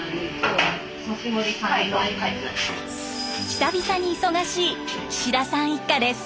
久々に忙しい岸田さん一家です。